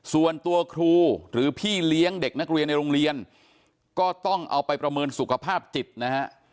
ส่วนตัวครูหรือพี่เลี้ยงเด็กนักเรียนในโรงเรียนก็ต้องเอาไปประเมินสุขภาพจิตนะฮะ